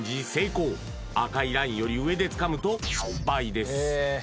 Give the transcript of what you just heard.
赤いラインより上でつかむと失敗です